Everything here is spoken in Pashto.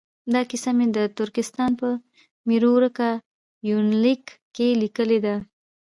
دا کیسه مې د ترکستان په میرو ورکه یونلیک کې لیکلې ده.